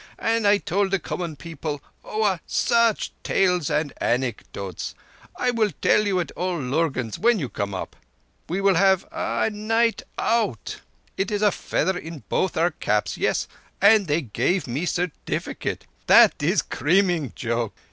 And I told the common people—oah, such tales and anecdotes!—I will tell you at old Lurgan's when you come up. We will have—ah—a night out! It is feather in both our caps! Yess, and they gave me a certificate. That is creaming joke.